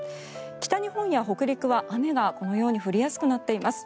北日本や北陸は雨が降りやすくなっています。